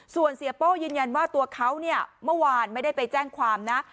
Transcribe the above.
ส่วนเสียโป้ยืนยันว่าตัวเขาเนี่ยเมื่อวานไม่ได้ไปแจ้งความนะ